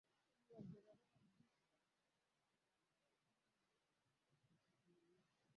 balozi kampaniz amesema kifurushi hicho